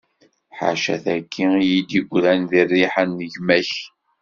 Ḥaca taki i yi-d-yegran d rriḥa n gma-k.